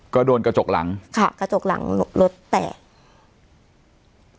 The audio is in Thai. ก็โดนกระจกหลังค่ะกระจกหลังรถแตก